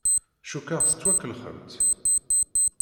Cukkeɣ tettwakellexemt.